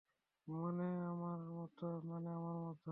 মানে আমার মতো।